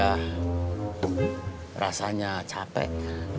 ya udah rasanya capek